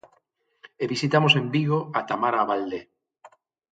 E visitamos en Vigo a Tamara Abalde.